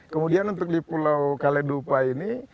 kemudian untuk di pulau kaledupa ini